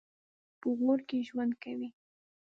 په غور کې ژوند کوي.